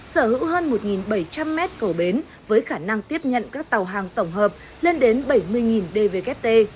sở hữu hơn một bảy trăm linh mét cầu bến với khả năng tiếp nhận các tàu hàng tổng hợp lên đến bảy mươi dvkt